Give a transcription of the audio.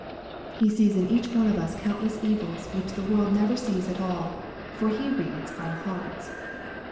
He sees in each one of us count less evils, which the world never sees at all, for He reads our hearts.